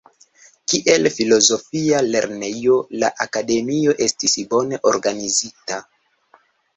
Kiel filozofia lernejo, la Akademio estis bone organizita.